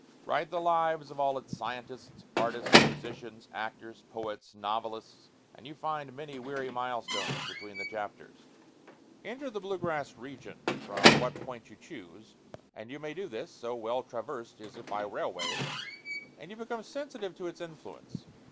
Write the lives of all its scientists, artists, musicians, actors, poets, novelists, and you find many weary mile stones between the chapters. [Illustration: A SPRING HOUSE.] Enter the blue grass region from what point you choose and you may do this, so well traversed is it by railways and you become sensitive to its influence.